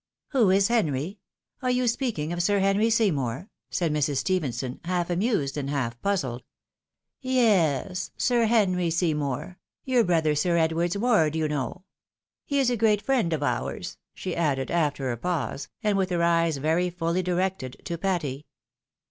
" Who is Henry ? Are you speaking of Sir Henry Seymour ?" said Mrs. Stephenson, half amused and half puzzled. " Yeas— Sir Henry Seymour ; your brother Sir Edward's ward, you know. He is a great friend of ours," she added, after a pause, and with her eyes very fully directed to Patty.